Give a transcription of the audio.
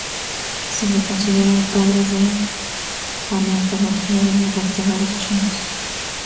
Se le considera el "padre de paleontología de los vertebrados chinos".